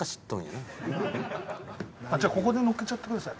じゃあここでのっけちゃってください。